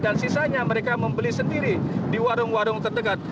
dan sisanya mereka membeli sendiri di warung warung terdekat